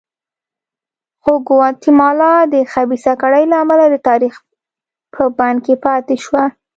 خو ګواتیمالا د خبیثه کړۍ له امله د تاریخ په بند کې پاتې شوه.